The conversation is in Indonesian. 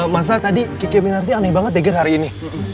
masa tadi kiki amin narti aneh banget ya gir hari ini